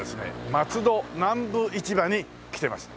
松戸南部市場に来ています。